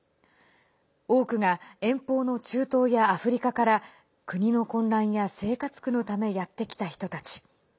多くが遠方の中東やアフリカから国の混乱や生活苦のためやってきた人たち。